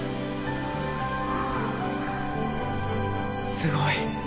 すごい